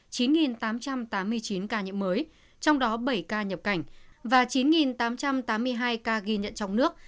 ca nhiễm mới trong đó bảy ca nhập cảnh và chín tám trăm tám mươi hai ca ghi nhận trong nước